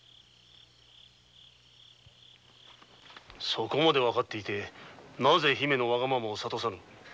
そこまでわかっていてなぜ姫のわがままを諭さぬ？